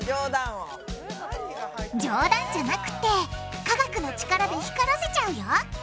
冗談じゃなくて科学の力で光らせちゃうよ。